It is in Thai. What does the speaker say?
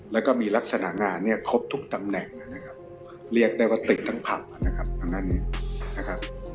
และมีลักษณะงานครบทุกตำแหน่งเรียกได้ว่าติดทั้งผัก